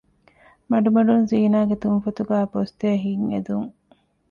މަޑުމަޑުން ޒީނާގެ ތުންފަތުގައި ބޮސްދޭ ހިތް އެދުން